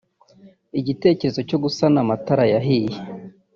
Igitekerezo cyo gusana amatara yahiye